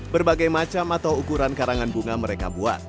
berbagai macam atau ukuran karangan bunga mereka buat